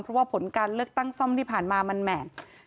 เพราะว่าผลการเลือกตั้งซ่อมที่ผ่านมามันแหม่